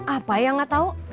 apa yang gak tau